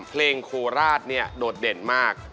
เพลงโคราชโดดเด่นมาก